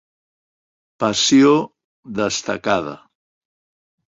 Passió destacada